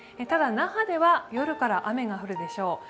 ただ那覇では夜から雨が降るでしょう。